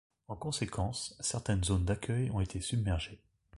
En conséquence, certaines zones d'accueil ont été submergées.